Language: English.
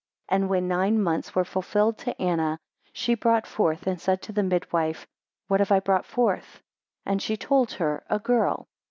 6 And when nine months were fulfilled to Anna, she brought forth, and said to the midwife, What have I brought forth? 7 And she told her, A girl.